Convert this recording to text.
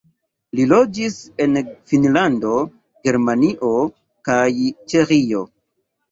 Li loĝis en Finnlando, Germanio kaj Ĉeĥio.